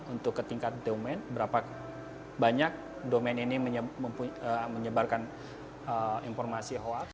untuk ketingkatan domen berapa banyak domen ini menyebarkan informasi hoax